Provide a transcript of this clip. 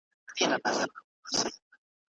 که ماشوم پوښتنه وکړي، ناپوهي نه پاتي کېږي.